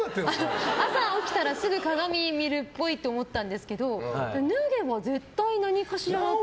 朝、起きたらすぐ鏡を見るっぽいって思ったんですけど脱げば絶対何かしらって。